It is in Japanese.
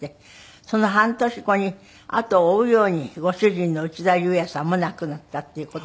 その半年後に後を追うようにご主人の内田裕也さんも亡くなったっていう事で。